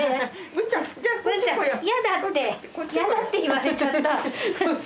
文ちゃんやだってやだって言われちゃった。